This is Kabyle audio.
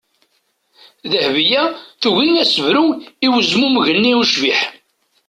Dehbiya tugi ad as-tebru i wezmumeg-nni ucbiḥ.